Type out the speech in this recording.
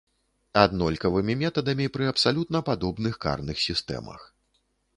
Аднолькавымі метадамі пры абсалютна падобных карных сістэмах.